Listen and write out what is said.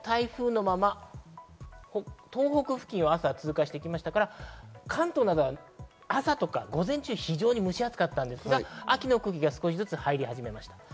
昨日になると、台風のまま東北付近を朝通過して行きましたから、関東などは朝とか午前中、非常に蒸し暑かったんですが、秋の空気が少しずつ入り始めました。